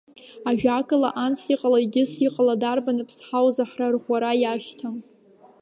Ажәакала, анс иҟала, егьыс иҟала, дарбан аԥсҳау заҳра арӷәӷәара иашьҭам.